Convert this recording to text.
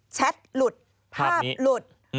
แชทหลุดภาพหลุด